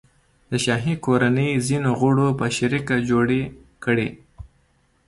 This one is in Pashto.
د شاهي کورنۍ ځینو غړو په شریکه جوړې کړي.